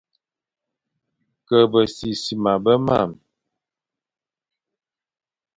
Ke besisima be marne,